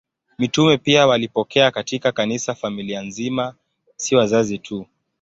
Mitume pia walipokea katika Kanisa familia nzima, si wazazi tu.